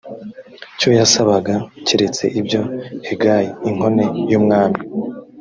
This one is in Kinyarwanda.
cyo yasabaga keretse ibyo hegayi inkone y umwami